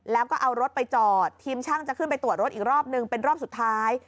แล้วก็เอารถไปจอดทีมช่างจะขึ้นไปตรวจรถอีกรอบนึงเป็นรอบสุดท้าย